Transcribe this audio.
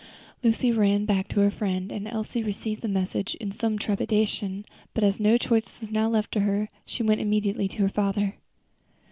Lucy ran back to her friend, and Elsie received the message in some trepidation, but as no choice was now left her, she went immediately to her father.